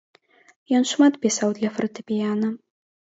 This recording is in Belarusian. Ён шмат пісаў для фартэпіяна.